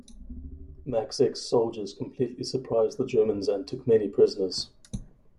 Maczek's soldiers completely surprised the Germans and took many prisoners.